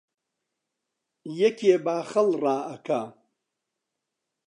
یەکێ باخەڵ دائەکا